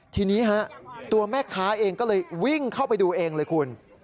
ทีนี้ฮะตัวแม่ค้าเองก็เลยวิ่งเข้าไปดูเองเลยคุณ